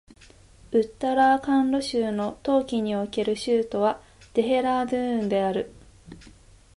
ウッタラーカンド州の冬季における州都はデヘラードゥーンである